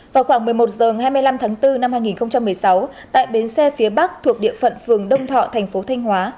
vào khoảng một mươi một h ngày hai mươi năm tháng bốn năm hai nghìn một mươi sáu tại bến xe phía bắc thuộc địa phận phường đông thọ thành phố thanh hóa